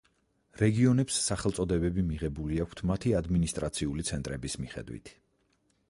რეგიონებს სახელწოდებები მიღებული აქვთ მათი ადმინისტრაციული ცენტრების მიხედვით.